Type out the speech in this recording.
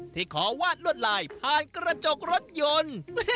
ขอวาดลวดลายผ่านกระจกรถยนต์